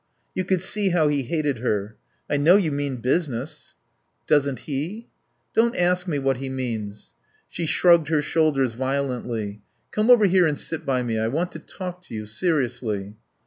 You could see how he hated her. "I know you mean business." "Doesn't he?" "Don't ask me what he means." She shrugged her shoulders violently. "Come over here and sit by me. I want to talk to you. Seriously."